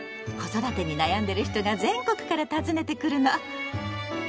子育てに悩んでる人が全国から訪ねてくるの。